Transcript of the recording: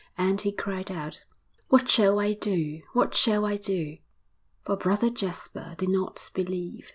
And he cried out, 'What shall I do? What shall I do?' For Brother Jasper did not believe.